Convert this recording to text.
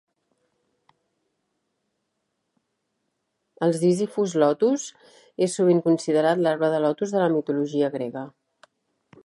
El "Ziziphus lotus" és sovint considerat l'arbre de lotus de la mitologia grega.